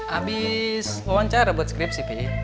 abis wawancara buat skrip sih pe